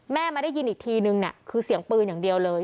มาได้ยินอีกทีนึงเนี่ยคือเสียงปืนอย่างเดียวเลย